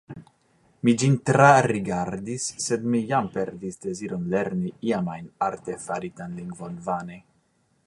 Mi ĝin trarigardis, sed mi jam perdis deziron lerni iam ajn artefaritan lingvon vane.